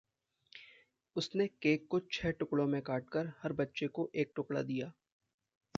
उसने केक को छः टुकड़ो में काट कर, हर बच्चे हो एक टुकड़ा दिया।